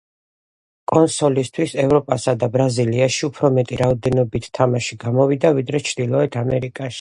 კონსოლისთვის ევროპასა და ბრაზილიაში უფრო მეტი რაოდენობით თამაში გამოვიდა ვიდრე ჩრდილოეთ ამერიკაში.